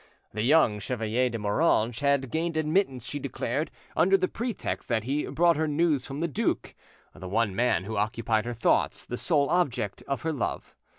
The young Chevalier de Moranges had, gained admittance, she declared, under the pretext that he brought her news from the duke, the one man who occupied her thoughts, the sole object of her love.